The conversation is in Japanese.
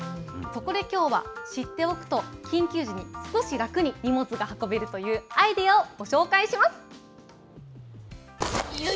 そこできょうは知っておくと緊急時に少し楽に荷物が運べるというアイデアをご紹介します。